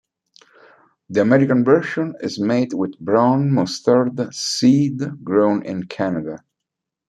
The American version is made with brown mustard seed grown in Canada.